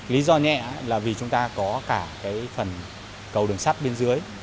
lý do nhẹ là vì chúng ta có cả phần cầu đường sắt bên dưới